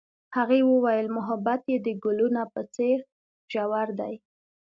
هغې وویل محبت یې د ګلونه په څېر ژور دی.